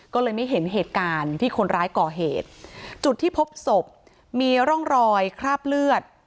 ก็เลยไม่เห็นเหตุการณ์ที่คนร้ายก่อเหตุจุดที่พบศพมีร่องรอยคราบเลือด